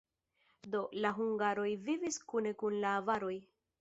Do, la hungaroj vivis kune kun la avaroj.